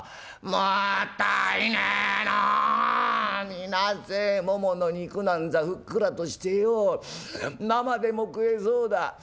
見なせえももの肉なんざふっくらとしてよう生でも食えそうだ」。